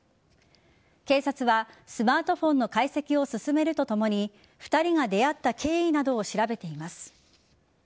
警察は、スマートフォンの解析を進めるとともに２人が出会った経緯などを調べています。